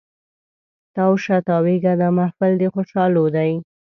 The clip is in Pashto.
تاو شه تاویږه دا محفل د خوشحالو دی